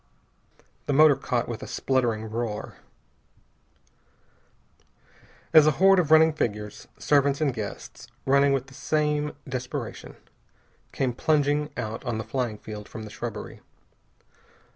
The motor caught with a spluttering roar. As a horde of running figures, servants and guests, running with the same desperation, came plunging out on the flying field from the shrubbery.